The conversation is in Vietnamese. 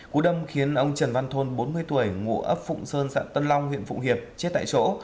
cú đâm khiến ông trần văn thôn bốn mươi tuổi ngụ ấp phụng sơn xã tân long huyện phụng hiệp chết tại chỗ